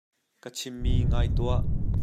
Ka chimmi ngai tuah.